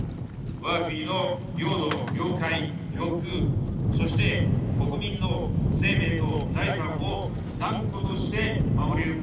わが国の領土領海領空、そして国民の生命と財産を断固として守り抜く。